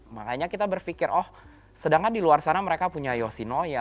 makanya kita berpikir oh sedangkan di luar sana mereka punya yosinoya